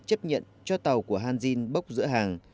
chấp nhận cho tàu của hanjin bốc giữa hàng